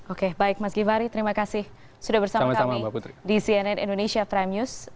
oke baik mas givhary terima kasih sudah bersama kami di cnn indonesia prime news